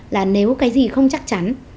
là nếu cái gì không chắc chắn